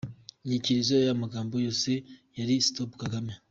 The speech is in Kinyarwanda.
Inyikirizo y’aya magambo yose yari stop Kagame.